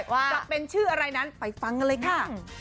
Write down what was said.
จะเป็นชื่ออะไรนั้นไปฟังกันเลยค่ะ